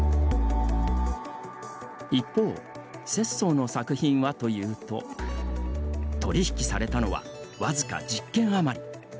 一方、拙宗の作品はというと取り引きされたのはわずか１０件余り。